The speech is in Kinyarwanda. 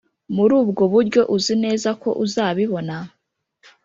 muri ubwo buryo, uzi neza ko uzabibona